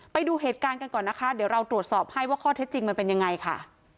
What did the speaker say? ไปดูเหตุการณ์กันก่อนนะคะเดี๋ยวเราตรวจสอบให้ว่าข้อเท็จจริงมันเป็นยังไงค่ะ